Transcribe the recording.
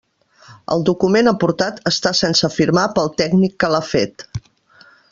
El document aportat està sense firmar pel tècnic que l'ha fet.